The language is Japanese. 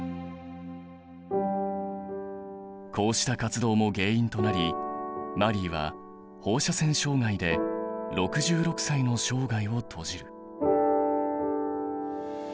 こうした活動も原因となりマリーは放射線障害で６６歳の生涯を閉じる。